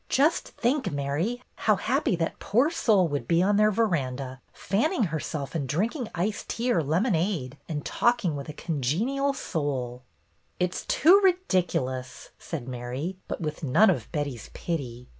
"Just think, Mary, how happy that poor soul would be on their veranda, fanning herself, drinking iced tea or lemonade, and talking with a con genial soul!" "It 's too ridiculous," said Mary, but with none of Betty's pity.